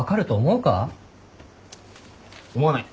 思わない！